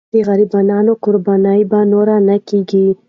د غریبانو قرباني به نور نه کېږي.